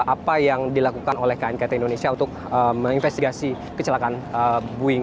apa yang dilakukan oleh knkt indonesia untuk menginvestigasi kecelakaan boeing tujuh ratus tiga puluh tujuh